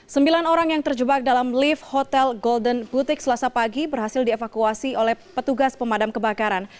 sembilan orang yang terjebak dalam lift hotel golden butik selasa pagi berhasil dievakuasi oleh petugas pemadam kebakaran